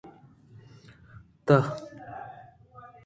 تہا